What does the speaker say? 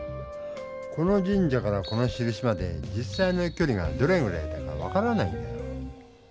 この神社からこのしるしまで実さいのきょりがどれぐらいだか分からないんだよ。